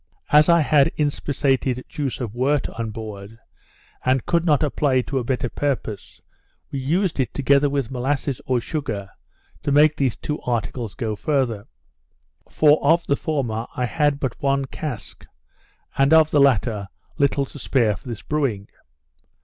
As I had inspissated juice of wort on board, and could not apply it to a better purpose, we used it together with molasses or sugar, to make these two articles go farther. For of the former I had but one cask, and of the latter little to spare for this brewing.